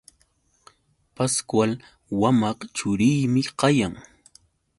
Pascual wamaq churiymi kayan.